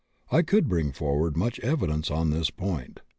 I could bring forward much evidence on this point.